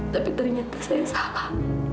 tapi ternyata saya salah